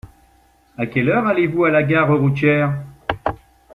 À quelle heure allez-vous à la gare routière ?